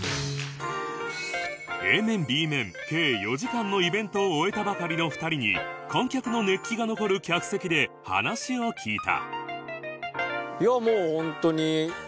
Ａ 面 Ｂ 面計４時間のイベントを終えたばかりの２人に観客の熱気が残る客席で話を聞いた